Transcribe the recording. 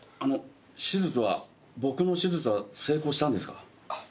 手術は僕の手術は成功したんですか？